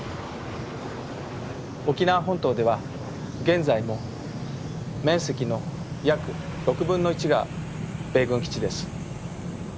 沖縄本島では現在も面積の約６分の１が米軍基地です。